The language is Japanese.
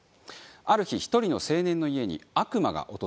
ある日１人の青年の家に悪魔が訪れました。